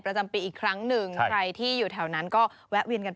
ประจำปีอีกครั้งหนึ่งใครที่อยู่แถวนั้นก็แวะเวียนกันไป